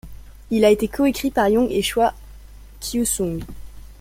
Il a été co-écrit par Yong et Choi Kyu-sung.